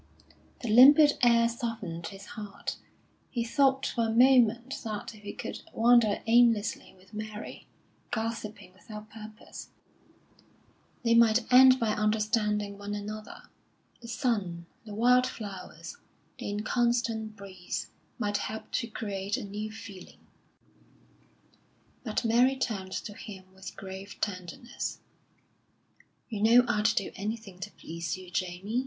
The limpid air softened his heart; he thought for a moment that if he could wander aimlessly with Mary, gossiping without purpose, they might end by understanding one another. The sun, the wild flowers, the inconstant breeze, might help to create a new feeling. But Mary turned to him with grave tenderness. "You know I'd do anything to please you, Jamie.